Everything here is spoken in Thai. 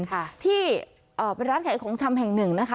ค่ะที่เอ่อเป็นร้านขายของชำแห่งหนึ่งนะคะ